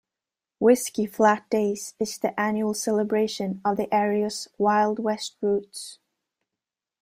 Whiskey Flat Days is the annual celebration of the area's Wild West roots.